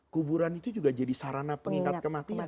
kuburan itu juga jadi sarana pengingat kematian